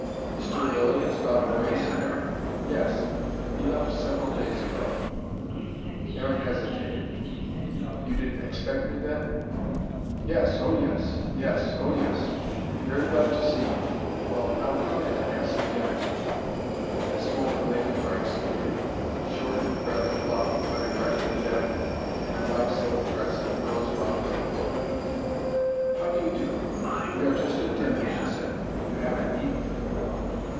"Mr. Lilly has gone away?" said Aaron. "Yes. He left us several days ago." Aaron hesitated. "You didn't expect me, then?" "Yes, oh, yes. Yes, oh, yes. Very glad to see you well, now, come in and have some dinner " At this moment Lady Franks appeared short, rather plump, but erect and definite, in a black silk dress and pearls round her throat. "How do you do? We are just at dinner," she said. "You haven't eaten?